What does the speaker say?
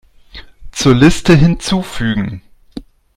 Zur Liste hinzufügen.